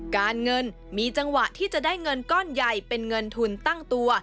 การเงินมีจังหวะที่จะได้เงินก้อนใหญ่เป็นเงินทุนตั้งตัว